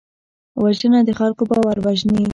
وژنه د خلکو باور وژني